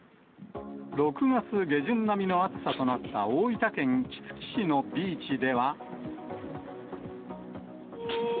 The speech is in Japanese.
６月下旬並みの暑さとなった大分県杵築市のビーチでは。